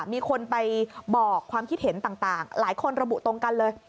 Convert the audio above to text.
มีคนไปบอกความคิดเห็นต่างหลายคนระบุตรงกันเลย